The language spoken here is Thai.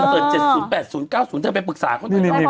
คอนเซิร์ท๗๐๘๐๙๐เธอไปปรึกษาเขา